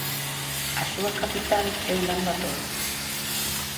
A súa capital e Ulan Bator.